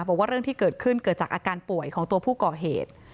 บอกว่าเรื่องที่เกิดขึ้นเกิดจากอาการป่วยของตัวผู้ก่อเหตุ